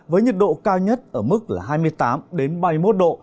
với nhiệt độ cao nhất ở mức là hai mươi tám ba mươi một độ